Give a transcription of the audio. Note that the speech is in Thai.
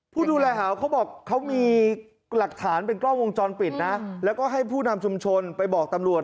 ผู้ดูแลหาวเขาบอกเขามีหลักฐานเป็นกล้องวงจรปิดนะแล้วก็ให้ผู้นำชุมชนไปบอกตำรวจ